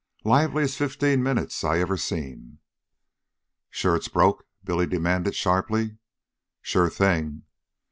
Liveliest fifteen minutes I ever seen." "Sure it's broke?" Billy demanded sharply. "Sure thing."